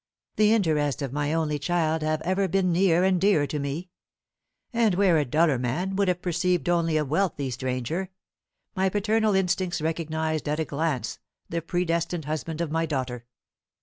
The interests of my only child have ever been near and dear to me; and where a duller man would have perceived only a wealthy stranger, my paternal instincts recognized at a glance the predestined husband of my daughter.